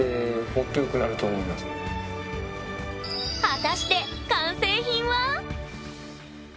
果たして完成品は？